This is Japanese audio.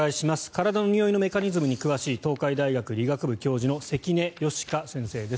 体のにおいのメカニズムに詳しい東海大学理学部教授の関根嘉香先生です。